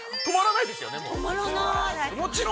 止まらないですよねもう。